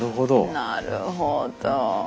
なるほど。